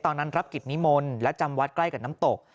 รับกิจนิมนต์และจำวัดใกล้กับน้ำตก